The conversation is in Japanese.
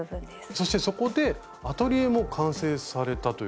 そしてそこでアトリエも完成されたという。